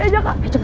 eh caka tunggu